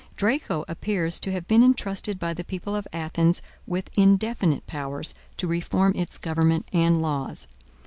Draco appears to have been intrusted by the people of Athens with indefinite powers to reform its government and laws.